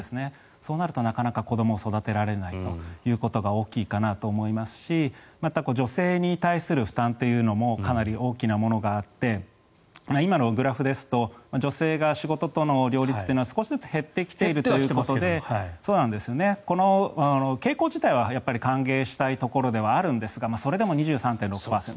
そうなると、なかなか子どもを育てられないということが大きいかなと思いますしまた、女性に対する負担というのもかなり大きなものがあって今のグラフですと女性が仕事との両立は、少しずつ減ってきているということで傾向自体は歓迎したいところではあるんですがそれでも２３．６％。